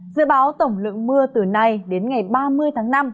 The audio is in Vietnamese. dự báo tổng lượng mưa từ nay đến ngày ba mươi tháng năm